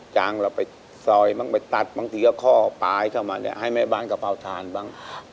จ้างเราไปซอยบ้างไปตัดบางทีก็ข้อปลายให้แม่บ้านกระเป๋าทานบ้าง